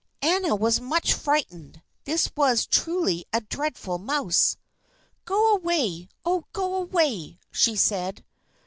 Anna was much frightened; this was truly a dreadful mouse. "Go away! Oh, go away!" she said.